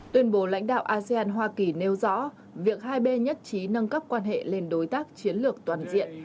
tuyên bố lãnh đạo asean hoa kỳ nêu rõ việc hai bên nhất trí nâng cấp quan hệ lên đối tác chiến lược toàn diện